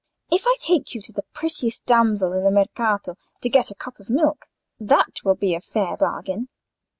If I take you to the prettiest damsel in the Mercato to get a cup of milk—that will be a fair bargain."